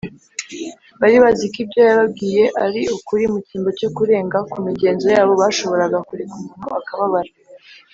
bari bazi ko ibyo yababwiye ari ukuri mu cyimbo cyo kurenga ku migenzo yabo, bashoboraga kureka umuntu akababara